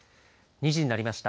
２時になりました。